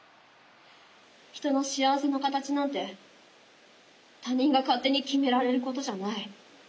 人の幸せの形なんて他人が勝手に決められることじゃない。